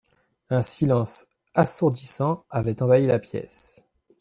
Un silence assourdissant avait envahi la pièce.